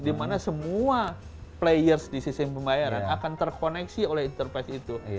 dimana semua players di sistem pembayaran akan terkoneksi oleh interprise itu